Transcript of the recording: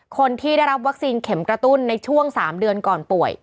คนที่ได้รับวัคซีนเข็มกระตุ้นในช่วง๓เดือนก่อนป่วย